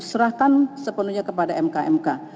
serahkan sepenuhnya kepada mkmk